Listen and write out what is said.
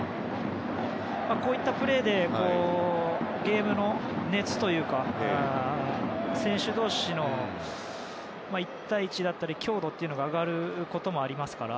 こういったプレーでゲームの熱というか選手同士の１対１だったり強度が上がることもあるので。